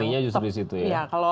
artinya justru di situ ya